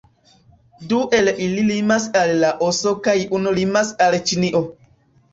Du el ili limas al Laoso kaj unu limas al Ĉinio.